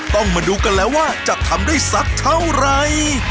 ต้องมาดูกันแล้วว่าจะทำได้สักเท่าไร